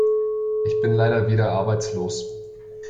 Ich bin leider wieder arbeitslos.